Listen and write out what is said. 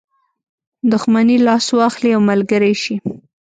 دښمني لاس واخلي او ملګری شي.